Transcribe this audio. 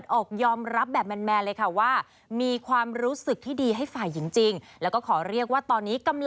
ก็ไม่ได้มีผลกระทบที่ไม่ดีกับคนอื่นแน่นอนค่ะ